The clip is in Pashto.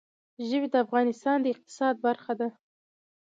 ژبې د افغانستان د اقتصاد برخه ده.